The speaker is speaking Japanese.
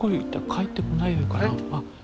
帰ってこないかな？